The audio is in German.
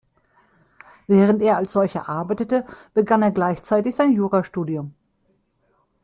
Während er als solcher arbeitete, begann er gleichzeitig sein Jura-Studium.